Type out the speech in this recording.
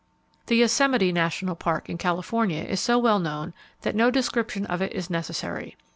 The Yosemite National Park in California is so well known that no description of it is necessary.